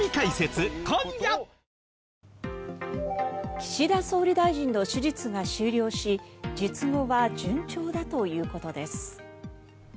岸田総理大臣の手術が終了し術後は順調だということです。